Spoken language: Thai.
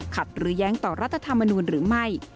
หรือแย้งต่อรัฐธรรมนูลหรือไม่